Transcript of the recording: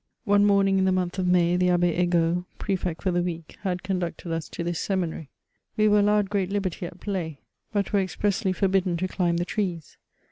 One morning in the month of May, the Abb^ Egaultf. Pre fect for the week, had conducted us to this seminary. We were allowed great Uberty at play, but were expressly forbidden VOL. I. H 98 MEMOIRS OF to climb the trees.